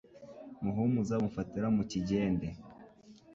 Muhumuza bamufatira mu Kigende,